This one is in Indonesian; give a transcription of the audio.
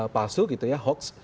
palsu gitu ya hoax